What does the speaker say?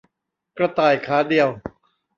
กระต่ายขาเดียว